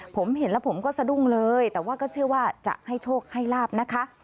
ผมเห็นแล้วผมก็สะดุ้งเลยแต่ว่าก็เชื่อว่าจะให้โชคให้ลาบนะคะ